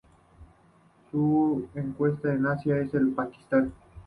Se encuentran en Asia: el Pakistán.